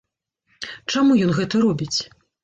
Чаму ён гэта робіць?